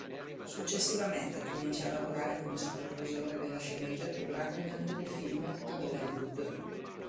Successivamente comincia a lavorare come supervisore della sceneggiatura in alcuni film ad Hollywood.